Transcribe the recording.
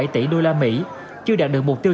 ba bảy tỷ đô la mỹ chưa đạt được mục tiêu